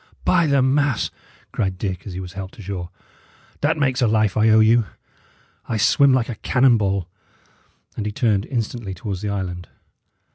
"By the mass!" cried Dick, as he was helped ashore, "that makes a life I owe you. I swim like a cannon ball." And he turned instantly towards the island.